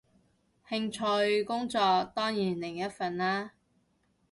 興趣，工作當然另一份啦